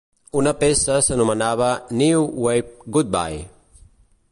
Una peça s'anomenava "New Wave Goodbye".